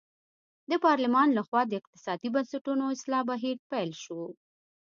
د پارلمان له خوا د اقتصادي بنسټونو اصلاح بهیر پیل شو.